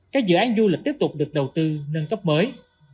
các dự án du lịch tiếp tục được đầu tư nâng cấp mới